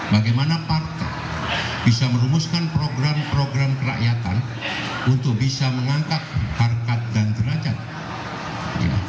bagaimana partai bisa merumuskan program program kerakyatan untuk bisa mengangkat harkat dan derajat